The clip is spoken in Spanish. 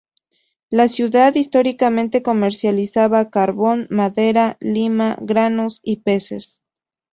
La ciudad históricamente comercializaba carbón, madera, lima, granos y peces.